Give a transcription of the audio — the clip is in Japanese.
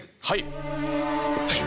はい。